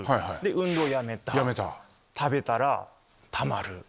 運動やめた食べたらたまる。